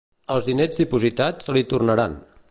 Els diners dipositats se li tornaran.